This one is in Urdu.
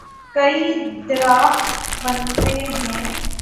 کئی ڈرافٹ بنتے ہیں۔